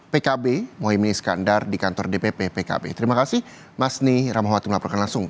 pkb muhaimin iskandar di kantor dpp pkb terima kasih mas nih ramah waktu melaporkan langsung